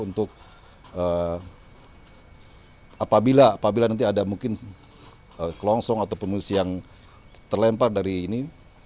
untuk apabila nanti ada mungkin kelongsong atau pengungsi yang terlempar dari ini